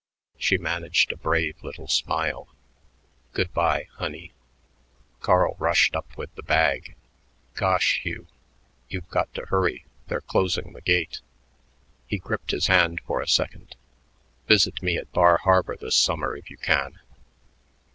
She managed a brave little smile. "Good by honey." Carl rushed up with the bag. "Gosh, Hugh, you've got to hurry; they're closing the gate." He gripped his hand for a second. "Visit me at Bar Harbor this summer if you can."